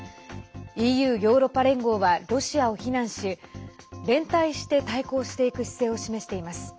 ＥＵ＝ヨーロッパ連合はロシアを非難し連帯して対抗していく姿勢を示しています。